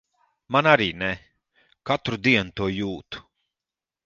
Man arī ne. Katru dienu to jūtu.